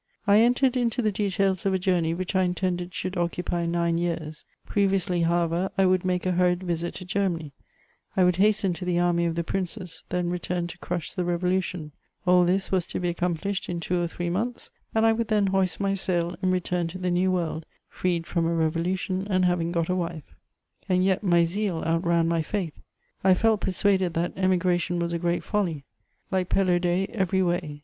I en tered into the details of a journey which I intended should occupy nine years ; previously, however, I would make a hur ried visit to Germany ; I would hasten to the army of the Princes ; then return to crush the revolution ; all this was to be accomplished in two or three months, and I would then hoist my sail and return to the New World, freed ^m a revo lution and having got a wife. And yet, my zeal outran my faith ; I felt persuaded that emigration was a great folly; "like Pelaud6 every way